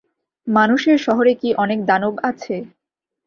মানুষের শহরে কি অনেক দানব আছে?